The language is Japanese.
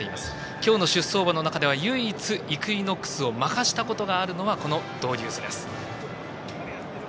今日の出走馬の中では唯一イクイノックスを負かしたことがあるのはこのドウデュースです。